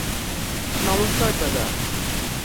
নমস্কার, দাদা।